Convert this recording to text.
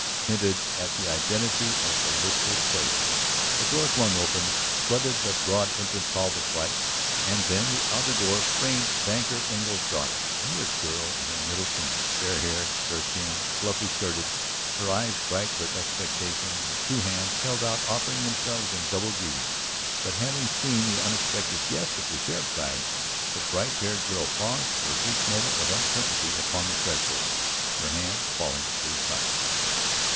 hinted at the identity of the listless player, a door flung open flooded the broad entrance hall with light. And then the outer door framed banker Engle's daughter, a mere girl in her middle teens, fair haired, fair skinned, fluffy skirted, her eyes bright with expectation, her two hands held out offering themselves in doubled greetings. But, having seen the unexpected guest at the sheriff's side, the bright haired girl paused for a brief moment of uncertainty upon the threshold, her hands falling to her sides.